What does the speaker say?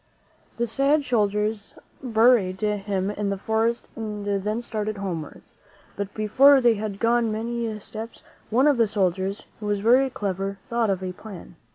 The sad soldiers buried him in the forest and then started homewards. But before they had gone many steps, one of the soldiers, who was very clever, thought of a plan.